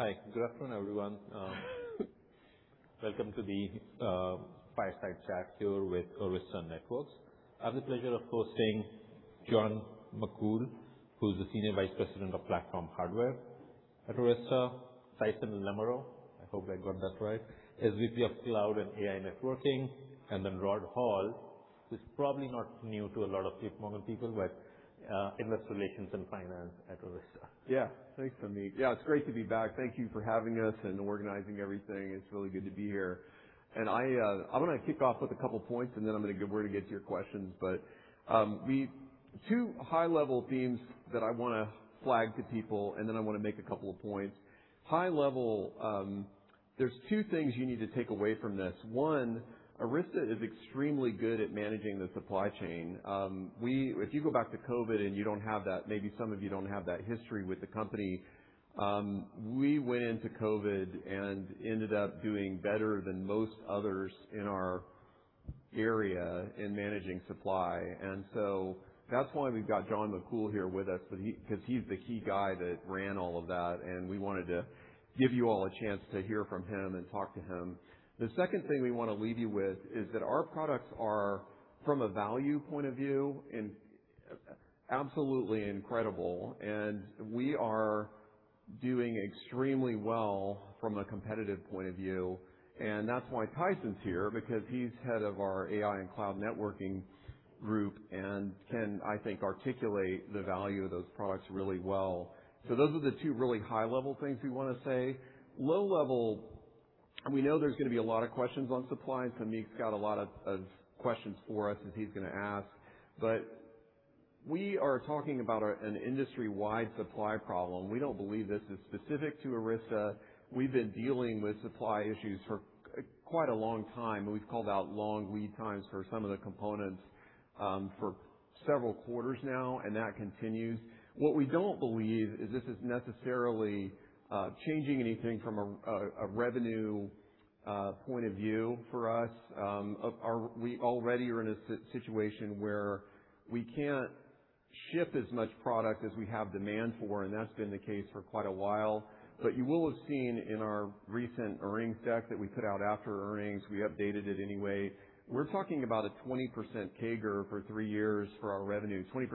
Hi, good afternoon, everyone. Welcome to the fireside chat here with Arista Networks. I have the pleasure of hosting John McCool, who's the Senior Vice President of Platform Hardware at Arista. Tyson Lamoreaux, I hope I got that right, is VP of Cloud and AI Networking. Rod Hall is probably not new to a lot of platform people, but Investor Relations and Finance at Arista. Thanks, Sumeet. Yeah, it's great to be back. Thank you for having us and organizing everything. It's really good to be here. I'm gonna kick off with a couple points, and then I'm gonna go where to get to your questions. The two high level themes that I wanna flag to people, and then I wanna make a couple of points. High level, there's two things you need to take away from this. one, Arista is extremely good at managing the supply chain. If you go back to COVID and you don't have that, maybe some of you don't have that history with the company, we went into COVID and ended up doing better than most others in our area in managing supply. That's why we've got John McCool here with us, he's the key guy that ran all of that, and we wanted to give you all a chance to hear from him and talk to him. The second thing we wanna leave you with is that our products are, from a value point of view, absolutely incredible, and we are doing extremely well from a competitive point of view. That's why Tyson's here, because he's head of our AI and cloud networking group and can, I think, articulate the value of those products really well. Those are the two really high level things we wanna say. Low level, we know there's gonna be a lot of questions on supply. Sumeet's got a lot of questions for us that he's gonna ask. We are talking about an industry-wide supply problem. We don't believe this is specific to Arista. We've been dealing with supply issues for quite a long time. We've called out long lead times for some of the components for several quarters now, and that continues. What we don't believe is this is necessarily changing anything from a revenue point of view for us. We already are in a situation where we can't ship as much product as we have demand for, and that's been the case for quite a while. You will have seen in our recent earnings deck that we put out after earnings, we updated it anyway. We're talking about a 20% CAGR for three years for our revenue, 20%+.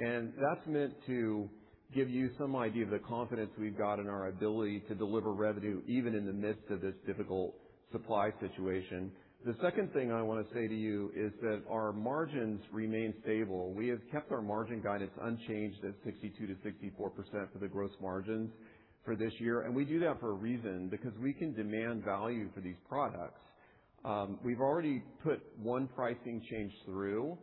That's meant to give you some idea of the confidence we've got in our ability to deliver revenue even in the midst of this difficult supply situation. The second thing I wanna say to you is that our margins remain stable. We have kept our margin guidance unchanged at 62%-64% for the gross margins for this year, and we do that for a reason, because we can demand value for these products. We've already put one pricing change through.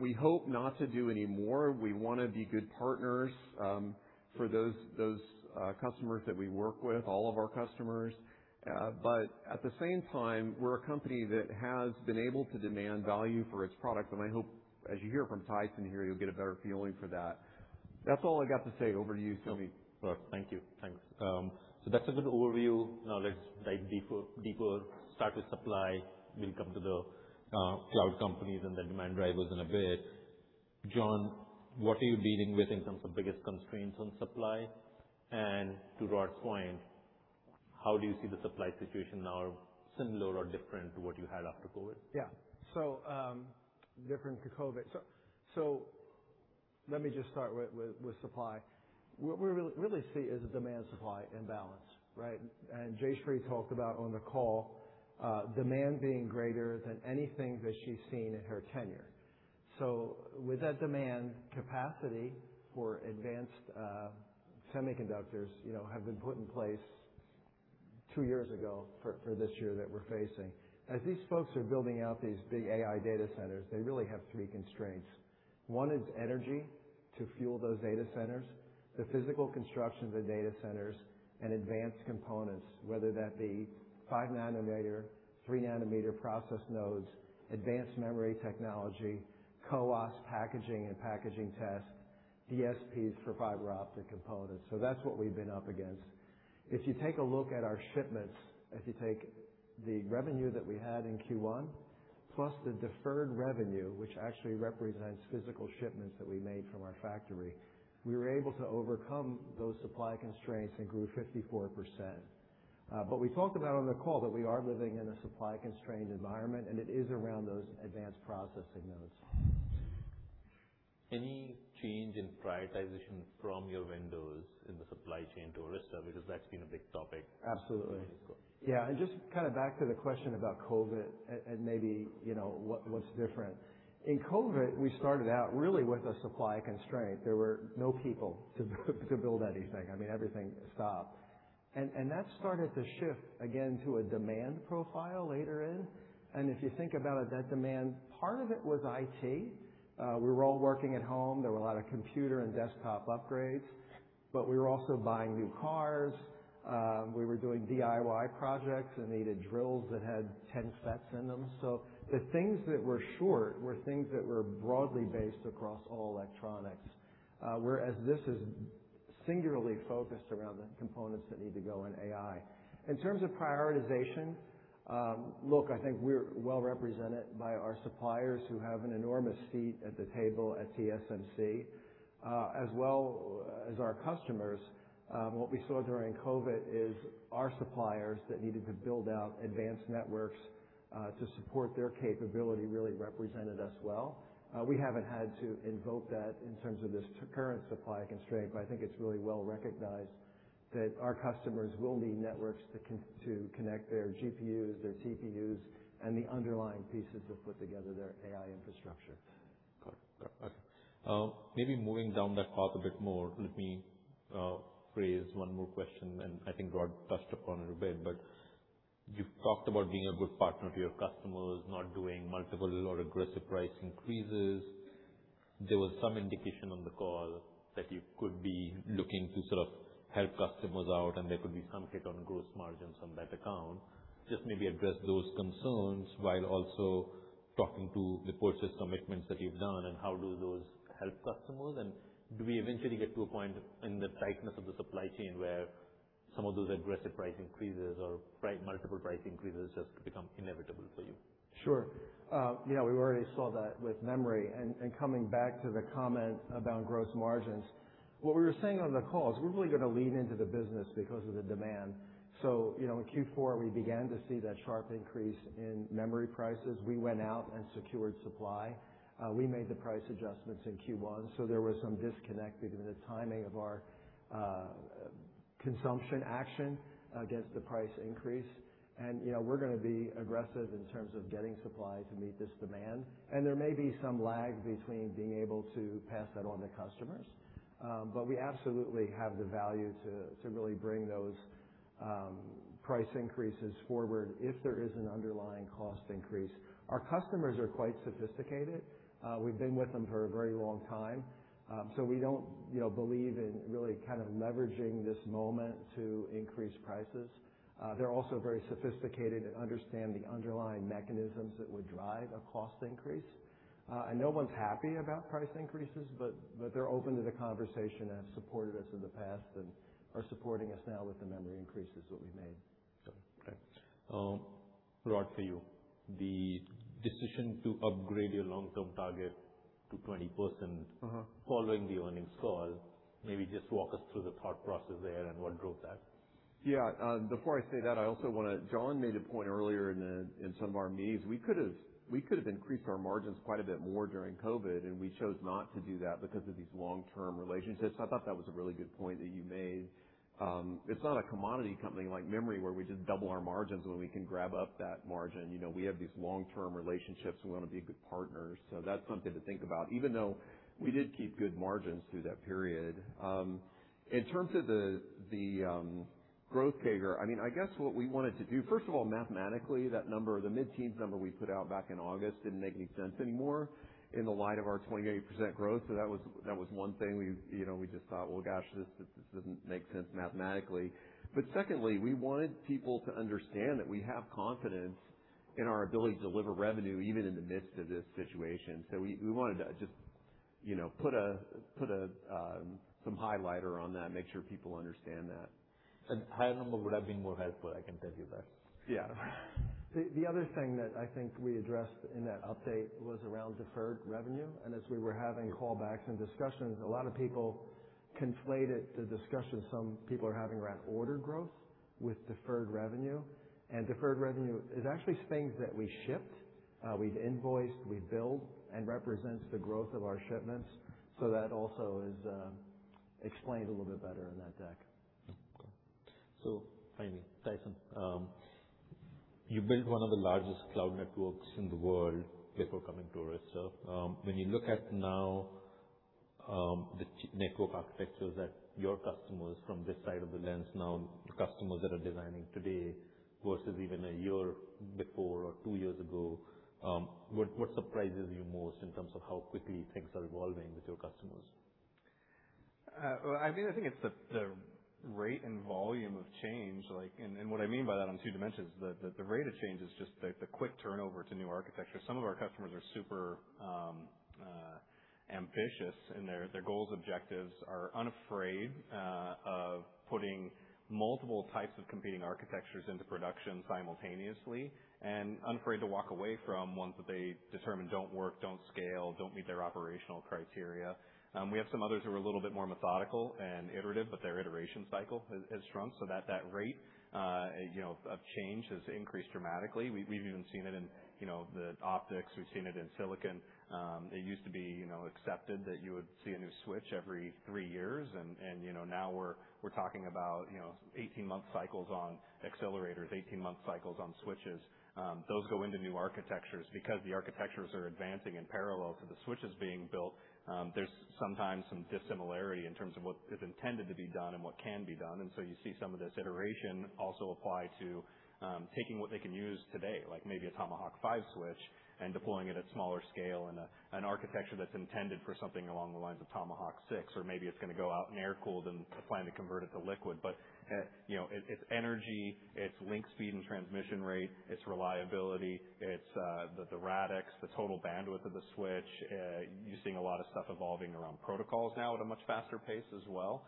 We hope not to do any more. We wanna be good partners for those customers that we work with, all of our customers. At the same time, we're a company that has been able to demand value for its product, and I hope as you hear from Tyson here, you'll get a better feeling for that. That's all I got to say. Over to you, Sumeet. Sure. Thank you. Thanks. That's a good overview. Now let's dive deeper. Start with supply. We'll come to the cloud companies and the demand drivers in a bit. John, what are you dealing with in terms of biggest constraints on supply? To Rod's point, how do you see the supply situation now similar or different to what you had after COVID? Yeah. Different to COVID. Let me just start with supply. What we really see is a demand-supply imbalance, right? Jayshree talked about on the call, demand being greater than anything that she's seen in her tenure. With that demand, capacity for advanced semiconductors, you know, have been put in place two years ago for this year that we're facing. As these folks are building out these big AI data centers, they really have three constraints. One is energy to fuel those data centers, the physical construction of the data centers, and advanced components, whether that be five nm, three nm process nodes, advanced memory technology, CoWoS packaging and packaging tests, DSPs for fiber optic components. That's what we've been up against. If you take a look at our shipments, if you take the revenue that we had in Q1 plus the deferred revenue, which actually represents physical shipments that we made from our factory, we were able to overcome those supply constraints and grew 54%. We talked about on the call that we are living in a supply-constrained environment, and it is around those advanced processing nodes. Any change in prioritization from your windows in the supply chain to Arista? Because that's been a big topic. Absolutely. Yeah. Just kind of back to the question about COVID and maybe, you know, what's different. In COVID, we started out really with a supply constraint. There were no people to build anything. I mean, everything stopped. That started to shift again to a demand profile later in. If you think about it, that demand, part of it was IT. We were all working at home. There were a lot of computer and desktop upgrades, but we were also buying new cars. We were doing DIY projects and needed drills that had 10 sets in them. The things that were short were things that were broadly based across all electronics. Whereas this is singularly focused around the components that need to go in AI. In terms of prioritization, look, I think we're well represented by our suppliers who have an enormous seat at the table at TSMC. As well as our customers, what we saw during COVID is our suppliers that needed to build out advanced networks to support their capability really represented us well. We haven't had to invoke that in terms of this current supply constraint, but I think it's really well recognized that our customers will need networks to connect their GPUs, their CPUs, and the underlying pieces that put together their AI infrastructure. Got it. Got it. Okay. Maybe moving down that path a bit more, let me phrase one more question, and I think Rob touched upon it a bit. You've talked about being a good partner to your customers, not doing multiple or aggressive price increases. There was some indication on the call that you could be looking to sort of help customers out, and there could be some hit on gross margins on that account. Just maybe address those concerns while also talking to the purchase commitments that you've done and how do those help customers. Do we eventually get to a point in the tightness of the supply chain where some of those aggressive price increases or multiple price increases just become inevitable for you? Sure. Yeah, we already saw that with memory. Coming back to the comment about gross margins, what we were saying on the call is we're really gonna lean into the business because of the demand. You know, in Q4, we began to see that sharp increase in memory prices. We went out and secured supply. We made the price adjustments in Q1, so there was some disconnect due to the timing of our consumption action against the price increase. You know, we're gonna be aggressive in terms of getting supply to meet this demand. There may be some lag between being able to pass that on to customers. We absolutely have the value to really bring those price increases forward if there is an underlying cost increase. Our customers are quite sophisticated. We've been with them for a very long time. We don't, you know, believe in really kind of leveraging this moment to increase prices. They're also very sophisticated and understand the underlying mechanisms that would drive a cost increase. No one's happy about price increases, but they're open to the conversation and have supported us in the past and are supporting us now with the memory increases that we've made. Okay. Rob, for you, the decision to upgrade your long-term target to 20%. Following the earnings call, maybe just walk us through the thought process there and what drove that. Yeah. Before I say that, John made a point earlier in some of our meetings. We could've increased our margins quite a bit more during COVID, and we chose not to do that because of these long-term relationships. I thought that was a really good point that you made. It's not a commodity company like memory, where we just double our margins when we can grab up that margin. You know, we have these long-term relationships, and we wanna be good partners. That's something to think about. Even though we did keep good margins through that period. In terms of the growth figure, First of all, mathematically, that number, the mid-teens number we put out back in August didn't make any sense anymore in the light of our 28% growth. That was one thing we, you know, just thought, "Well, gosh, this doesn't make sense mathematically." Secondly, we wanted people to understand that we have confidence in our ability to deliver revenue even in the midst of this situation. We wanted to just, you know, put some highlighter on that, make sure people understand that. A higher number would have been more helpful, I can tell you that. Yeah. The other thing that I think we addressed in that update was around deferred revenue. As we were having callbacks and discussions, a lot of people conflated the discussion some people are having around order growth with deferred revenue. Deferred revenue is actually things that we shipped, we've invoiced, we've billed, and represents the growth of our shipments. That also is explained a little bit better in that deck. Finally, Tyson, you built one of the largest cloud networks in the world before coming to us. When you look at now, the network architectures that your customers from this side of the lens now to customers that are designing today versus even one year before or two years ago, what surprises you most in terms of how quickly things are evolving with your customers? Well, I mean, I think it's the rate and volume of change, like what I mean by that on two dimensions, the rate of change is just the quick turnover to new architecture. Some of our customers are super ambitious in their goals, objectives, are unafraid of putting multiple types of competing architectures into production simultaneously, and unafraid to walk away from ones that they determine don't work, don't scale, don't meet their operational criteria. We have some others who are a little bit more methodical and iterative, but their iteration cycle has shrunk so that rate, you know, of change has increased dramatically. We've even seen it in, you know, the optics. We've seen it in silicon. It used to be, you know, accepted that you would see a new switch every three years and, you know, now we're talking about, you know, 18-month cycles on accelerators, 18-month cycles on switches. Those go into new architectures. Because the architectures are advancing in parallel to the switches being built, there's sometimes some dissimilarity in terms of what is intended to be done and what can be done. You see some of this iteration also apply to taking what they can use today, like maybe a Tomahawk 5 switch, and deploying it at smaller scale in an architecture that's intended for something along the lines of Tomahawk 6 or maybe it's gonna go out in air-cooled and plan to convert it to liquid. You know, it's energy, it's link speed and transmission rate, it's reliability, it's, the radix, the total bandwidth of the switch. You're seeing a lot of stuff evolving around protocols now at a much faster pace as well.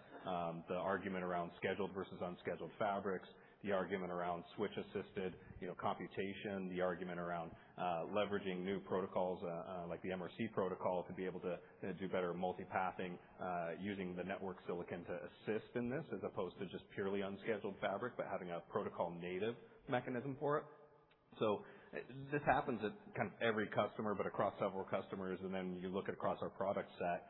The argument around scheduled versus unscheduled fabrics, the argument around switch-assisted, you know, computation, the argument around leveraging new protocols, like the MRC protocol to be able to do better multipathing, using the network silicon to assist in this as opposed to just purely unscheduled fabric, but having a protocol native mechanism for it. This happens at kind of every customer, but across several customers, and then you look at across our product set,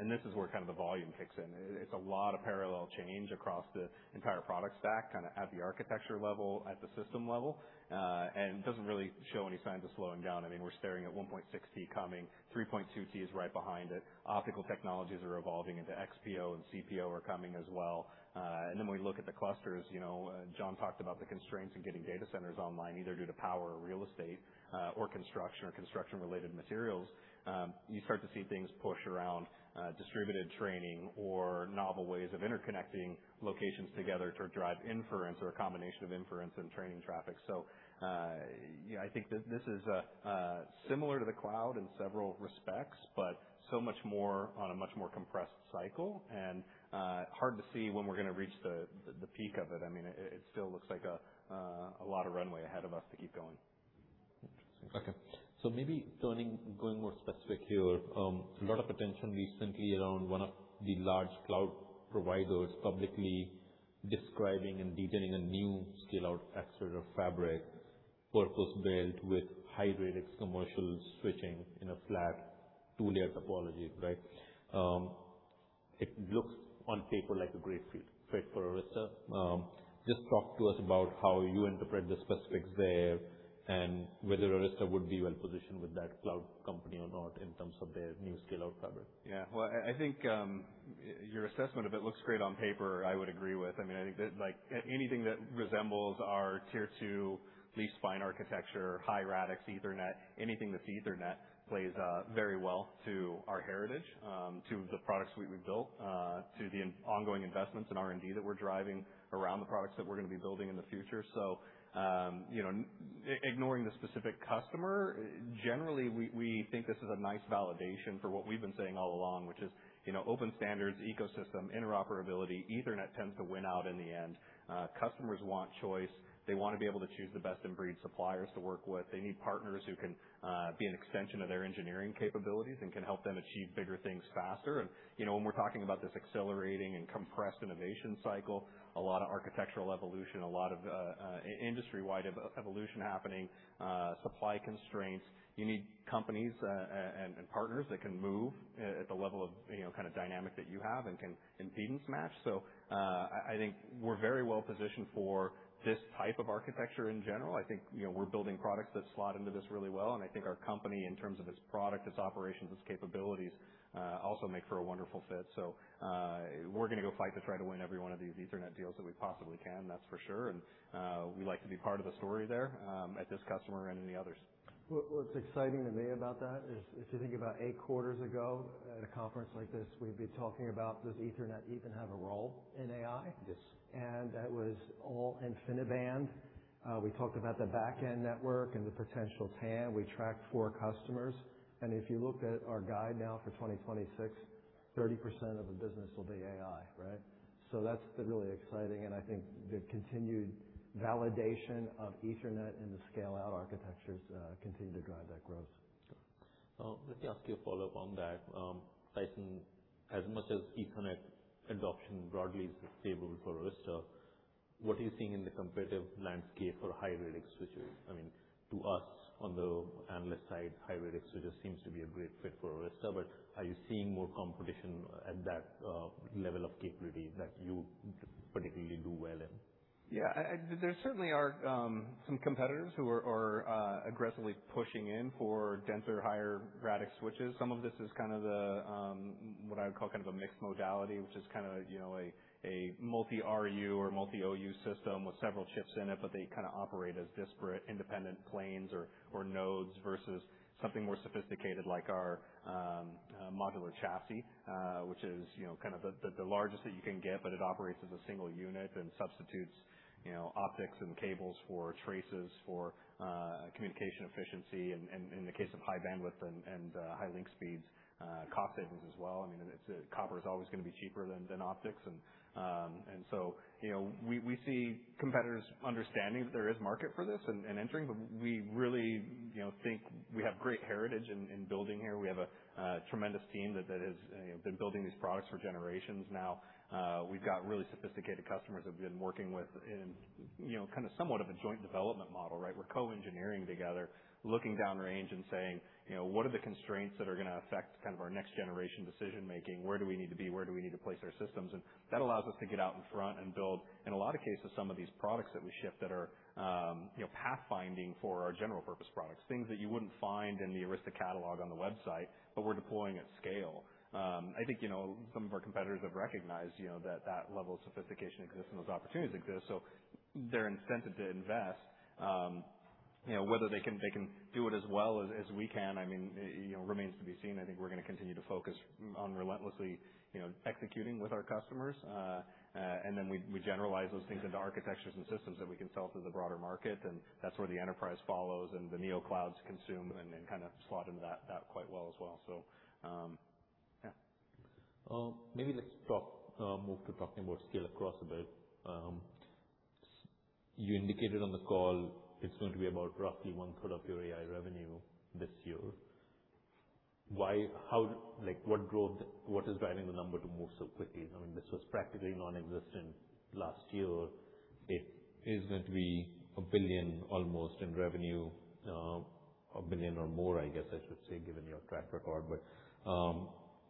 and this is where kind of the volume kicks in. It's a lot of parallel change across the entire product stack, kind of at the architecture level, at the system level. It doesn't really show any signs of slowing down. I mean, we're staring at 1.6T coming, 3.2T is right behind it. Optical technologies are evolving into XPO and CPO are coming as well. When we look at the clusters, you know, John talked about the constraints in getting data centers online, either due to power or real estate, or construction or construction related materials. You start to see things push around distributed training or novel ways of interconnecting locations together to drive inference or a combination of inference and training traffic. Yeah, I think this is similar to the cloud in several respects, but so much more on a much more compressed cycle and hard to see when we're gonna reach the peak of it. I mean, it still looks like a lot of runway ahead of us to keep going. Interesting. Okay. Maybe going more specific here. A lot of attention recently around one of the large cloud providers publicly describing and detailing a new scale out accelerator fabric purpose-built with high-radix commercial switching in a flat two-layer topology, right? It looks on paper like a great fit for Arista. Just talk to us about how you interpret the specifics there and whether Arista would be well positioned with that cloud company or not in terms of their new scale out fabric. Yeah. Well, I think, your assessment of it looks great on paper, I would agree with. I mean, I think that like anything that resembles our tier two leaf-spine architecture, high-radix Ethernet, anything that's Ethernet plays very well to our heritage, to the products suite we've built, to the ongoing investments in R&D that we're driving around the products that we're gonna be building in the future. You know, ignoring the specific customer, generally, we think this is a nice validation for what we've been saying all along, which is, you know, open standards, ecosystem, interoperability, Ethernet tends to win out in the end. Customers want choice. They wanna be able to choose the best in breed suppliers to work with. They need partners who can be an extension of their engineering capabilities and can help them achieve bigger things faster. You know, when we're talking about this accelerating and compressed innovation cycle, a lot of architectural evolution, a lot of industry-wide evolution happening, supply constraints. You need companies and partners that can move at the level of, you know, kind of dynamic that you have and can impedance match. I think we're very well positioned for this type of architecture in general. I think, you know, we're building products that slot into this really well, and I think our company, in terms of its product, its operations, its capabilities, also make for a wonderful fit. We're gonna go fight to try to win every one of these Ethernet deals that we possibly can, that's for sure. We like to be part of the story there, at this customer and in the others. What's exciting to me about that is you think about eight quarters ago at a conference like this, we'd be talking about does Ethernet even have a role in AI? Yes. That was all InfiniBand. We talked about the back end network and the potential TAM. We tracked four customers, and if you looked at our guide now for 2026, 30% of the business will be AI, right? That's really exciting, and I think the continued validation of Ethernet in the scale-out architectures, continue to drive that growth. Sure. Let me ask you a follow-up on that. Tyson, as much as Ethernet adoption broadly is favorable for Arista, what are you seeing in the competitive landscape for high-radix switches? I mean, to us on the analyst side, high-radix switches seems to be a great fit for Arista. Are you seeing more competition at that level of capability that you particularly do well in? Yeah. There certainly are some competitors who are aggressively pushing in for denser, high-radix switches. Some of this is kind of what I would call a mixed modality, which is, you know, a Multi-RU or multi-OU system with several chips in it, but they operate as disparate independent planes or nodes versus something more sophisticated like our modular chassis, which is, you know, the largest that you can get, but it operates as a single unit and substitutes, you know, optics and cables for traces for communication efficiency and in the case of high bandwidth and high link speeds, cost savings as well. I mean, copper is always gonna be cheaper than optics. You know, we see competitors understanding that there is market for this and entering, but we really, you know, think we have great heritage in building here. We have a tremendous team that has, you know, been building these products for generations now. We've got really sophisticated customers who've been working with, you know, kinda somewhat of a joint development model, right? We're co-engineering together, looking down range and saying, you know, "What are the constraints that are gonna affect kind of our next generation decision-making? Where do we need to be? Where do we need to place our systems?" That allows us to get out in front and build, in a lot of cases, some of these products that we ship that are, you know, pathfinding for our general purpose products. Things that you wouldn't find in the Arista catalog on the website, we're deploying at scale. I think, you know, some of our competitors have recognized, you know, that that level of sophistication exists and those opportunities exist, they're incented to invest. You know, whether they can do it as well as we can, I mean, you know, remains to be seen. I think we're gonna continue to focus on relentlessly, you know, executing with our customers. We generalize those things into architectures and systems that we can sell to the broader market, and that's where the enterprise follows and the neoclouds consume and kinda slot into that quite well as well. Maybe let's talk, move to talking about scale across a bit. You indicated on the call it's going to be about roughly one third of your AI revenue this year. Why, how, like, what is driving the number to move so quickly? I mean, this was practically nonexistent last year. It is going to be $1 billion almost in revenue, $1 billion or more, I guess I should say, given your track record.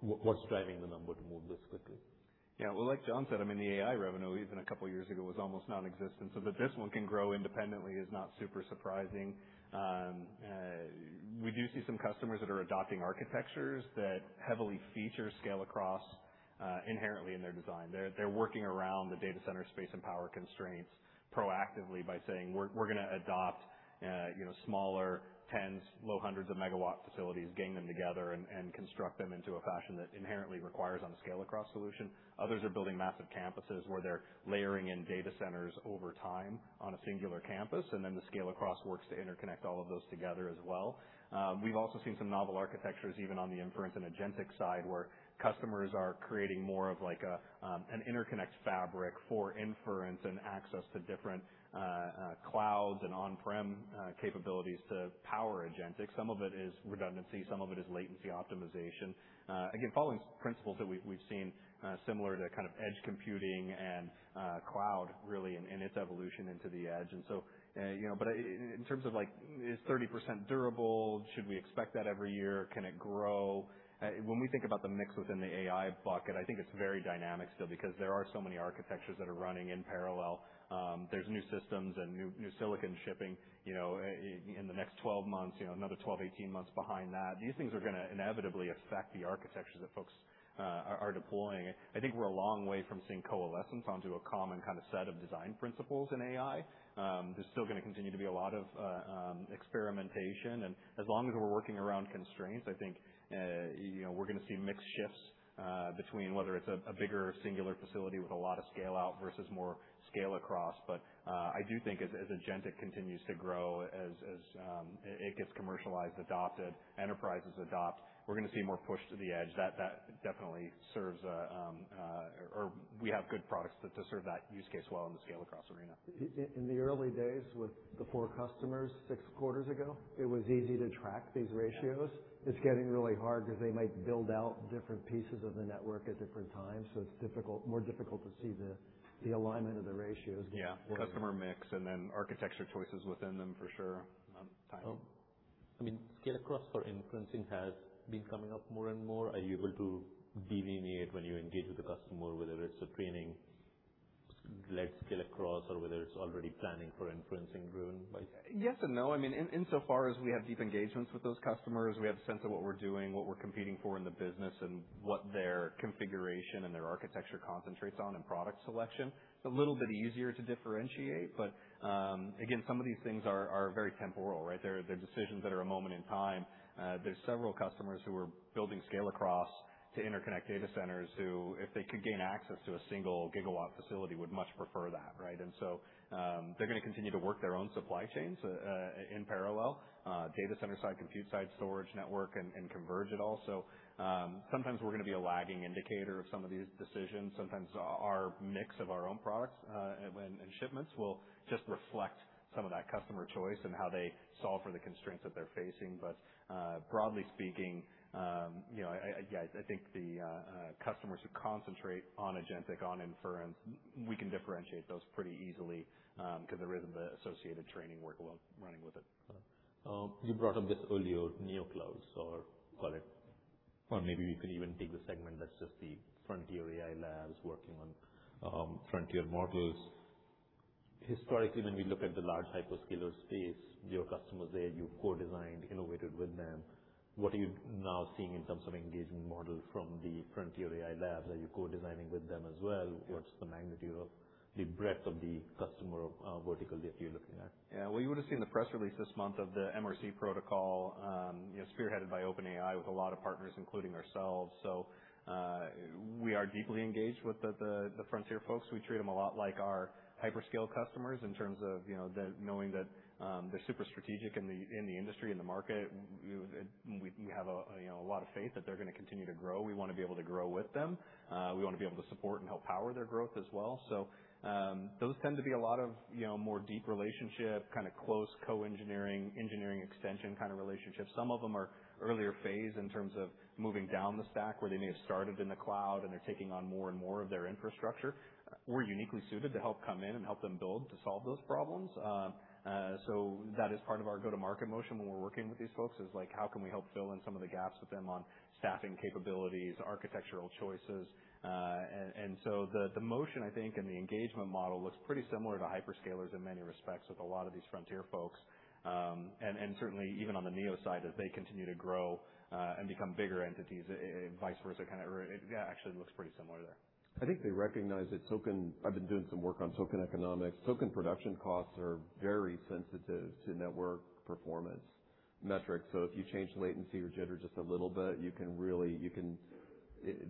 What's driving the number to move this quickly? Yeah. Well, like John said, I mean, the AI revenue even a couple years ago was almost nonexistent. That this one can grow independently is not super surprising. We do see some customers that are adopting architectures that heavily feature scale across inherently in their design. They're working around the data center space and power constraints proactively by saying, "We're gonna adopt, you know, smaller tens, low hundreds of megawatt facilities, gang them together and construct them into a fashion that inherently requires on a scale across solution." Others are building massive campuses where they're layering in data centers over time on a singular campus, and then the scale across works to interconnect all of those together as well. We've also seen some novel architectures, even on the inference and agentic side, where customers are creating more of like an interconnect fabric for inference and access to different clouds and on-prem capabilities to power agentic. Some of it is redundancy, some of it is latency optimization. Again, following principles that we've seen, similar to kind of edge computing and cloud really in its evolution into the edge. You know in terms of like is 30% durable, should we expect that every year? Can it grow? When we think about the mix within the AI bucket, I think it's very dynamic still because there are so many architectures that are running in parallel. There's new systems and new silicon shipping, you know, in the next 12 months, you know, another 12, 18 months behind that. These things are gonna inevitably affect the architectures that folks are deploying. I think we're a long way from seeing coalescence onto a common kind of set of design principles in AI. There's still gonna continue to be a lot of experimentation. As long as we're working around constraints, I think, you know, we're gonna see mix shifts between whether it's a bigger singular facility with a lot of scale out versus more scale across. I do think as agentic continues to grow, as it gets commercialized, adopted, enterprises adopt, we're gonna see more push to the edge. That definitely serves, or we have good products that to serve that use case well in the scale across arena. In the early days with the four customers six quarters ago, it was easy to track these ratios. It's getting really hard because they might build out different pieces of the network at different times, so it's more difficult to see the alignment of the ratios. Yeah. Customer mix and then architecture choices within them for sure. Tyler. I mean, scale across for inferencing has been coming up more and more. Are you able to delineate when you engage with the customer whether it's a training, like, scale across or whether it's already planning for inferencing? Yes and no. I mean, insofar as we have deep engagements with those customers, we have a sense of what we're doing, what we're competing for in the business, and what their configuration and their architecture concentrates on in product selection. It's a little bit easier to differentiate. Again, some of these things are very temporal, right? They're decisions that are a moment in time. There's several customers who are building scale across to interconnect data centers who, if they could gain access to a single gigawatt facility, would much prefer that, right? They're gonna continue to work their own supply chains in parallel, data center side, compute side, storage network, and converge it all. Sometimes we're gonna be a lagging indicator of some of these decisions. Sometimes our mix of our own products, and shipments will just reflect some of that customer choice and how they solve for the constraints that they're facing. Broadly speaking, you know, I, yeah, I think the customers who concentrate on agentic, on inference, we can differentiate those pretty easily, because there isn't the associated training workload running with it. You brought up this earlier, Neoclouds or call it, or maybe we could even take the segment that's just the frontier AI labs working on, frontier models. Historically, when we look at the large hyperscaler space, your customers there, you co-designed, innovated with them. What are you now seeing in terms of engagement model from the frontier AI labs? Are you co-designing with them as well? What's the magnitude of the breadth of the customer, vertical that you're looking at? Well, you would've seen the press release this month of the MRC protocol, you know, spearheaded by OpenAI with a lot of partners, including ourselves. We are deeply engaged with the frontier folks. We treat them a lot like our hyperscale customers in terms of, you know, knowing that they're super strategic in the industry and the market. We have a, you know, a lot of faith that they're gonna continue to grow. We wanna be able to grow with them. We wanna be able to support and help power their growth as well. Those tend to be a lot of, you know, more deep relationship, kind of close co-engineering, engineering extension kind of relationships. Some of them are earlier phase in terms of moving down the stack where they may have started in the cloud, and they're taking on more and more of their infrastructure. We're uniquely suited to help come in and help them build to solve those problems. That is part of our go-to-market motion when we're working with these folks, is like, how can we help fill in some of the gaps with them on staffing capabilities, architectural choices? The motion, I think, and the engagement model looks pretty similar to hyperscalers in many respects with a lot of these frontier folks. Certainly even on the Neo side, as they continue to grow, and become bigger entities, vice versa, kind of, yeah, actually looks pretty similar there. I've been doing some work on token economics. Token production costs are very sensitive to network performance metrics. If you change latency or jitter just a little bit, you can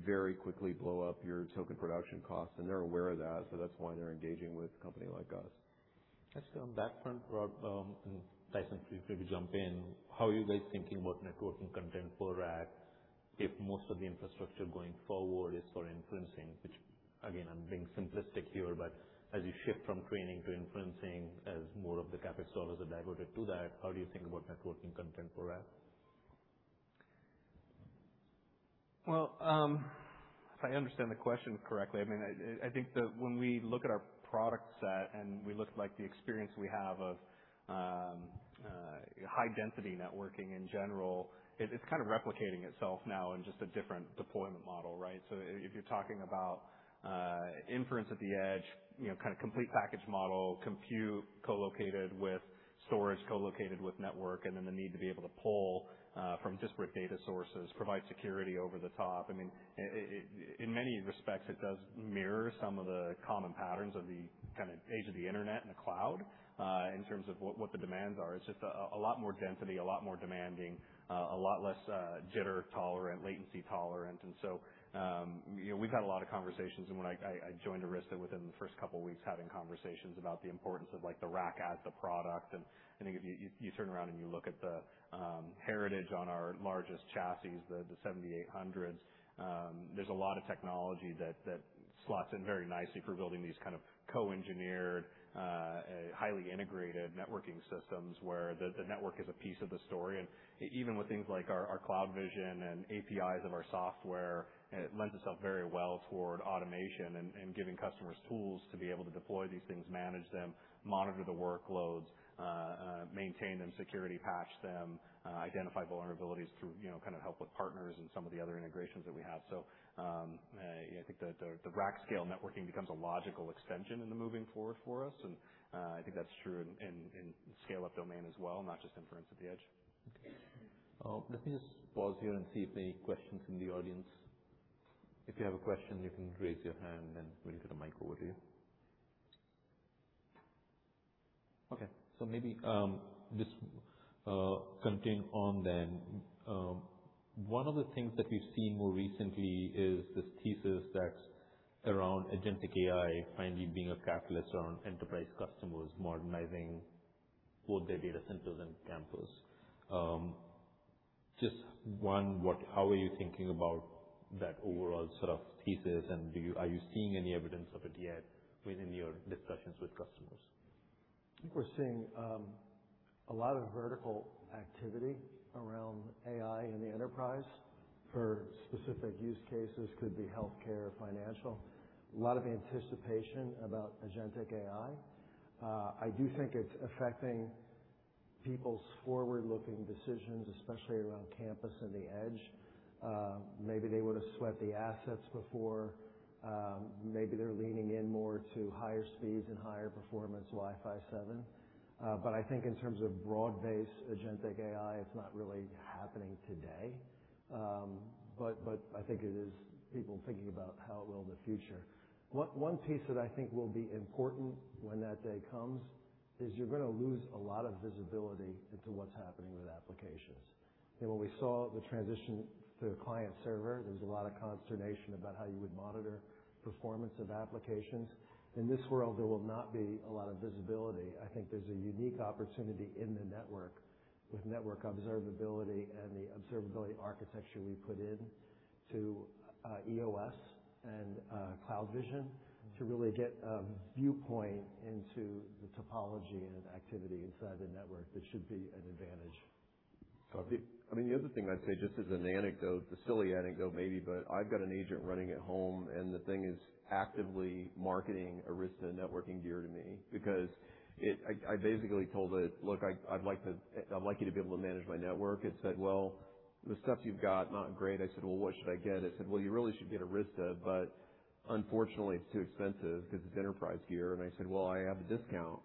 very quickly blow up your token production costs. They're aware of that. That's why they're engaging with a company like us. Just on that front, Rob, and Tyson, please maybe jump in. How are you guys thinking about networking content for rack? If most of the infrastructure going forward is for inferencing, which again, I'm being simplistic here, but as you shift from training to inferencing, as more of the CapEx dollars are diverted to that, how do you think about networking content for that? Well, if I understand the question correctly, I mean, I think that when we look at our product set and we look like the experience we have of high density networking in general, it's kind of replicating itself now in just a different deployment model, right? If you're talking about inference at the edge, you know, kind of complete package model, compute co-located with storage, co-located with network, and then the need to be able to pull from disparate data sources, provide security over the top. I mean, in many respects, it does mirror some of the common patterns of the kinda age of the Internet and the Cloud, in terms of what the demands are. It's just a lot more density, a lot more demanding, a lot less jitter tolerant, latency tolerant. you know, we've had a lot of conversations and when I joined Arista within the first couple weeks having conversations about the importance of like the rack as a product. I think if you turn around and you look at the heritage on our largest chassis, the 7800 Series, there's a lot of technology that slots in very nicely for building these kind of co-engineered, highly integrated networking systems where the network is a piece of the story. Even with things like our CloudVision and APIs of our software, it lends itself very well toward automation and giving customers tools to be able to deploy these things, manage them, monitor the workloads, maintain them, security patch them, identify vulnerabilities through, you know, kind of help with partners and some of the other integrations that we have. Yeah, I think the rack scale networking becomes a logical extension in the moving forward for us. I think that's true in scale up domain as well, not just inference at the edge. Okay. Let me just pause here and see if any questions from the audience. If you have a question, you can raise your hand and we'll get a mic over to you. Okay. Maybe, just, continuing on then. One of the things that we've seen more recently is this thesis that's around agentic AI finally being a catalyst around enterprise customers modernizing both their data centers and campus. Just how are you thinking about that overall sort of thesis, and are you seeing any evidence of it yet within your discussions with customers? I think we're seeing a lot of vertical activity around AI in the enterprise for specific use cases, could be healthcare or financial. A lot of anticipation about agentic AI. I do think it's affecting people's forward-looking decisions, especially around campus and the edge. Maybe they would've swept the assets before. Maybe they're leaning in more to higher speeds and higher performance Wi-Fi 7. I think in terms of broad-based agentic AI, it's not really happening today. I think it is people thinking about how it will in the future. One piece that I think will be important when that day comes is you're gonna lose a lot of visibility into what's happening with applications. You know, when we saw the transition to client server, there's a lot of consternation about how you would monitor performance of applications. In this world, there will not be a lot of visibility. I think there's a unique opportunity in the network with network observability and the observability architecture we put in to EOS and CloudVision to really get a viewpoint into the topology and activity inside the network. That should be an advantage. I mean, the other thing I'd say, just as an anecdote, a silly anecdote maybe, but I've got an agent running at home, and the thing is actively marketing Arista networking gear to me because I basically told it, "Look, I'd like you to be able to manage my network." It said, "Well, the stuff you've got, not great." I said, "Well, what should I get?" It said, "Well, you really should get Arista, but unfortunately it's too expensive because it's enterprise gear." I said, "Well, I have a discount."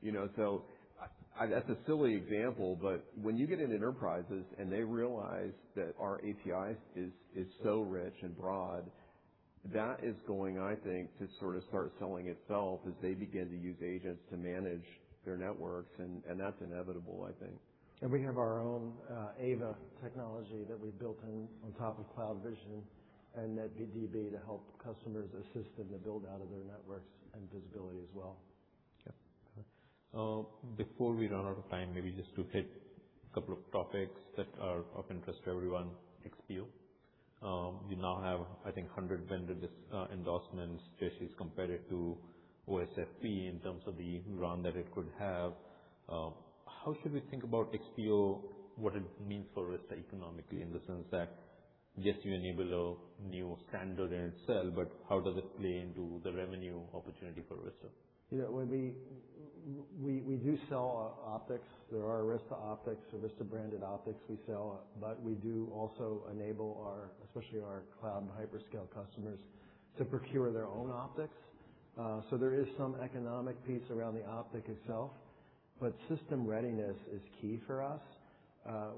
You know, so I That's a silly example, but when you get into enterprises and they realize that our API is so rich and broad, that is going, I think, to sort of start selling itself as they begin to use agents to manage their networks and, That's inevitable, I think. We have our own AVA technology that we built in on top of CloudVision and NetDB to help customers assist in the build out of their networks and visibility as well. Yep. Before we run out of time, maybe just to hit a couple of topics that are of interest to everyone. XPO. You now have I think 100 vendor endorsements. Jayshree's compared it to OSFP in terms of the run that it could have. How should we think about XPO, what it means for Arista economically, in the sense that, yes, you enable a new standard in itself, but how does it play into the revenue opportunity for Arista? You know, when we do sell optics. There are Arista optics, Arista branded optics we sell. We do also enable our, especially our cloud and hyperscale customers, to procure their own optics. There is some economic piece around the optic itself, but system readiness is key for us.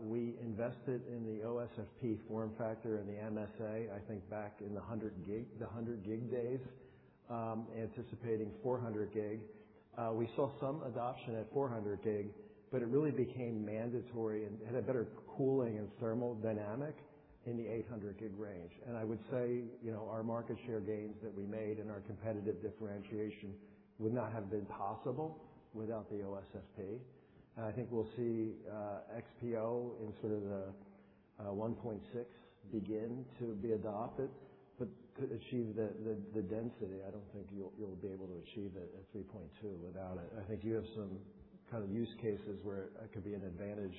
We invested in the OSFP form factor and the MSA, I think back in the 100 gig days, anticipating 400 gig. We saw some adoption at 400 gig, but it really became mandatory and had a better cooling and thermal dynamic in the 800 gig range. I would say, you know, our market share gains that we made and our competitive differentiation would not have been possible without the OSFP. I think we'll see XPO in sort of 1.6T begin to be adopted, but to achieve the density, I don't think you'll be able to achieve it at 3.2T without it. I think you have some kind of use cases where it could be an advantage.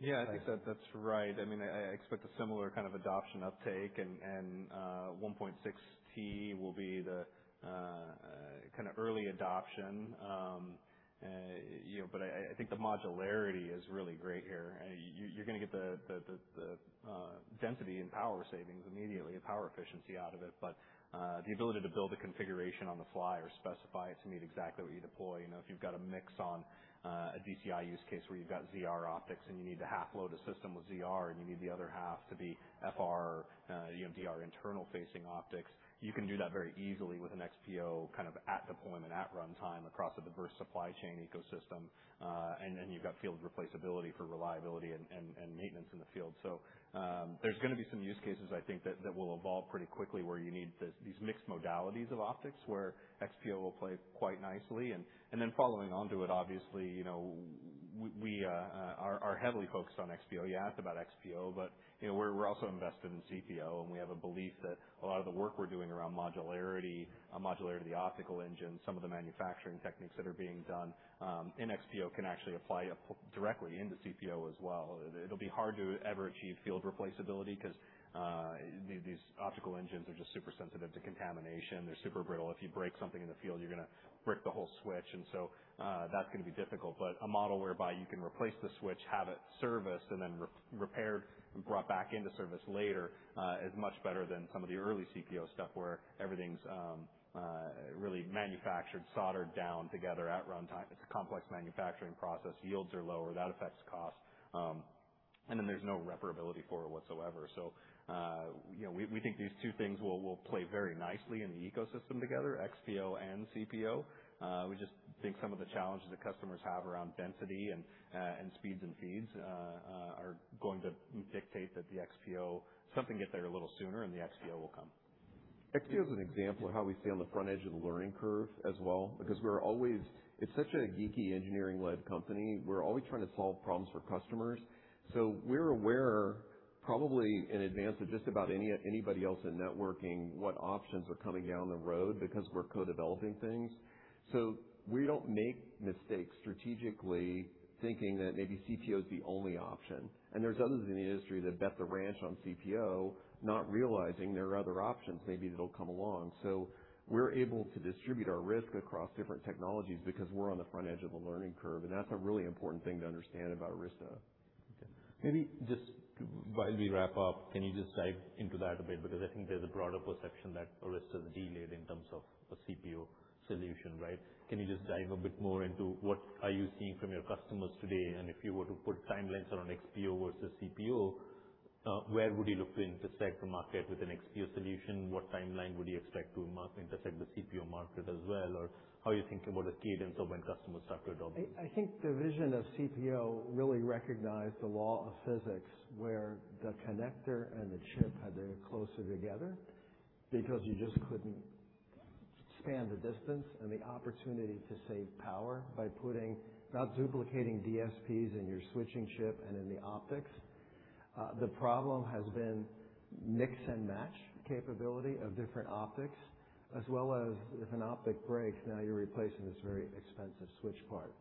Yeah, I think that's right. I mean, I expect a similar kind of adoption uptake and 1.6T will be the kind of early adoption. You know, I think the modularity is really great here. You're going to get the density and power savings immediately, the power efficiency out of it. The ability to build a configuration on the fly or specify it to meet exactly what you deploy, you know, if you've got a mix on a DCI use case where you've got ZR optics and you need to half load a system with ZR, and you need the other half to be FR, UMDR internal facing optics, you can do that very easily with an XPO kind of at deployment, at runtime across a diverse supply chain ecosystem. Then you've got field replaceability for reliability and maintenance in the field. There's gonna be some use cases I think that will evolve pretty quickly where you need this, these mixed modalities of optics where XPO will play quite nicely. Then following onto it, obviously, you know, we are heavily focused on XPO. You asked about XPO, you know, we're also invested in CPO, and we have a belief that a lot of the work we're doing around modularity of the optical engine, some of the manufacturing techniques that are being done in XPO can actually apply directly into CPO as well. It'll be hard to ever achieve field replaceability 'cause these optical engines are just super sensitive to contamination. They're super brittle. If you break something in the field, you're gonna break the whole switch. That's gonna be difficult. A model whereby you can replace the switch, have it serviced and then re-repaired and brought back into service later, is much better than some of the early CPO stuff where everything's really manufactured, soldered down together at runtime. It's a complex manufacturing process. Yields are lower. That affects cost. Then there's no reparability for it whatsoever. You know, we think these two things will play very nicely in the ecosystem together, XPO and CPO. We just think some of the challenges that customers have around density and speeds and feeds are going to dictate that the XPO some can get there a little sooner and the XPO will come. XPO is an example of how we stay on the front edge of the learning curve as well, because It's such a geeky engineering-led company. We're always trying to solve problems for customers. We're aware probably in advance of just about anybody else in networking what options are coming down the road because we're co-developing things. We don't make mistakes strategically thinking that maybe CPO is the only option. There's others in the industry that bet the ranch on CPO, not realizing there are other options maybe that'll come along. We're able to distribute our risk across different technologies because we're on the front edge of a learning curve, and that's a really important thing to understand about Arista. Maybe just while we wrap up, can you just dive into that a bit? Because I think there's a broader perception that Arista is delayed in terms of a CPO solution, right? Can you just dive a bit more into what are you seeing from your customers today? If you were to put timelines around XPO versus CPO, where would you look to intersect the market with an XPO solution? What timeline would you expect to intersect the CPO market as well? How are you thinking about a cadence of when customers start to adopt this? I think the vision of CPO really recognized the law of physics where the connector and the chip had to get closer together because you just couldn't span the distance and the opportunity to save power by not duplicating DSPs in your switching chip and in the optics. The problem has been mix and match capability of different optics as well as if an optic breaks, now you're replacing this very expensive switch part.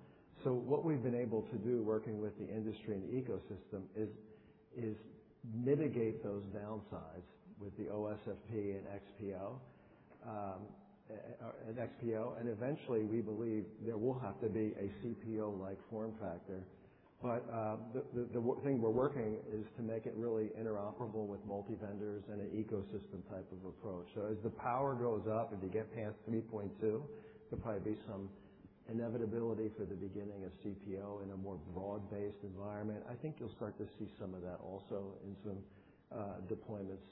What we've been able to do working with the industry and the ecosystem is mitigate those downsides with the OSFP and XPO, and XPO. Eventually, we believe there will have to be a CPO-like form factor. The thing we're working is to make it really interoperable with multi-vendors and an ecosystem type of approach. As the power goes up, if you get past 3.2T, there'll probably be some inevitability for the beginning of CPO in a more broad-based environment. I think you'll start to see some of that also in some deployments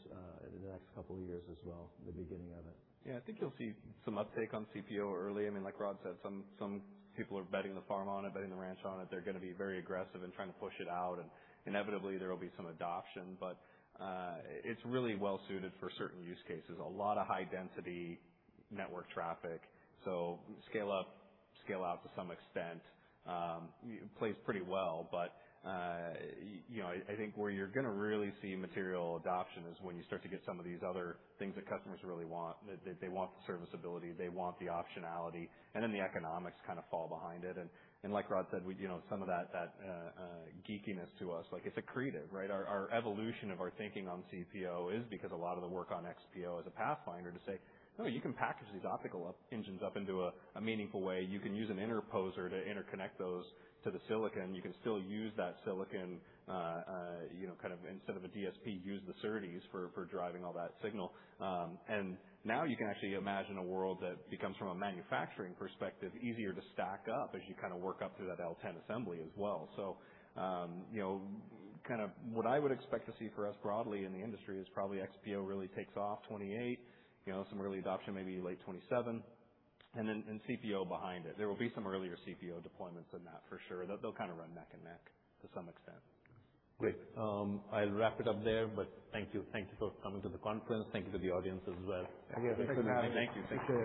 in the next couple of years as well, the beginning of it. I think you'll see some uptake on CPO early. I mean, like Rob said, some people are betting the farm on it, betting the ranch on it. They're gonna be very aggressive in trying to push it out, inevitably there will be some adoption. It's really well suited for certain use cases. A lot of high density network traffic. Scale up, scale out to some extent, plays pretty well. You know, I think where you're gonna really see material adoption is when you start to get some of these other things that customers really want. That they want the serviceability, they want the optionality, then the economics kinda fall behind it. Like Rob said, we, you know, some of that geekiness to us, like it's accretive, right? Our evolution of our thinking on CPO is because a lot of the work on XPO as a pathfinder to say, "No, you can package these optical engines up into a meaningful way. You can use an interposer to interconnect those to the silicon. You can still use that silicon, you know, kind of instead of a DSP, use the SerDes for driving all that signal." Now you can actually imagine a world that becomes from a manufacturing perspective, easier to stack up as you kinda work up through that L10 assembly as well. You know, kind of what I would expect to see for us broadly in the industry is probably XPO really takes off 2028. You know, some early adoption maybe late 2027 and then CPO behind it. There will be some earlier CPO deployments than that for sure. They'll kind of run neck and neck to some extent. Great. I'll wrap it up there, but thank you. Thank you for coming to the conference. Thank you to the audience as well. Thank you. Thanks for having me. Thank you. Thanks for coming.